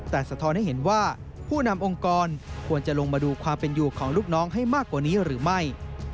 แต่สะท้อนให้เห็นว่าผู้นำองค์กรควรจะลงมาดูความเป็นอยู่ของลูกน้องให้มากกว่านี้หรือไม่